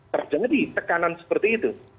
terjadi tekanan seperti itu